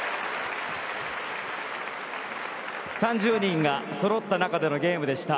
３０人がそろった中でのゲームでした。